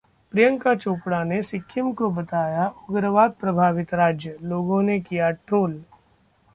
प्रियंका चोपड़ा ने सिक्किम को बताया उग्रवाद प्रभावित राज्य, लोगों ने किया ट्रोल